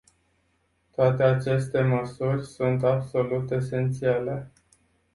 Toate aceste măsuri sunt absolut esențiale.